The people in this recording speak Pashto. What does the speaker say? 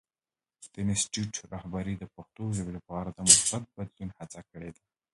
د انسټیټوت رهبرۍ د پښتو ژبې لپاره د مثبت بدلون هڅه کړې ده.